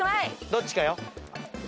どっちかよ。